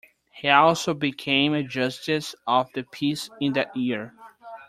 He also became a Justice of the Peace in that year.